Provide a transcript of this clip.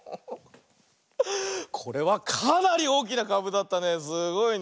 これはかなりおおきなかぶだったね。